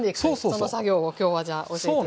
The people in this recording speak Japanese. その作業を今日はじゃあ教えて頂く。